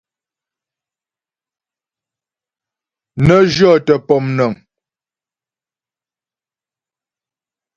Nə jyɔ́tə pɔmnəŋ.